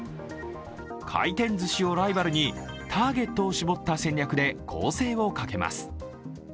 回転ずしをライバルにターゲットを絞った戦略で攻勢をかけます。